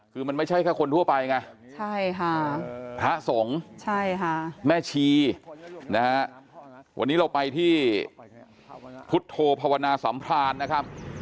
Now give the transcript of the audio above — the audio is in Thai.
คือมันไม่ใช่แค่คนทั่วไปไงใช่ค่ะพระสงฆ์แม่ชีนะฮะวันนี้เราไปที่พุทธโธภาวนาสัมพรานนะครับ